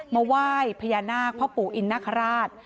มาไหว้พญานาคพ่อปู่อินนคราช